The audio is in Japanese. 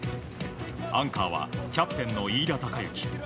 アンカーはキャプテンの飯田貴之。